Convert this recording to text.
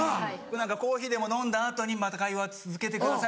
「コーヒーでも飲んだ後にまた会話続けてください。